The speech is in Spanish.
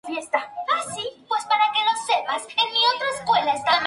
Allí el protón reside en el anillo de nitrógeno.